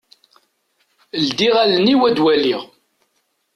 Ldiɣ allen-iw ad waliɣ.